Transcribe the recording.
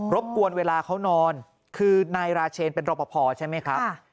บกวนเวลาเขานอนคือนายราเชนเป็นรอปภใช่ไหมครับ